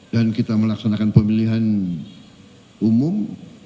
dan kita melaksanakan pemilihan umum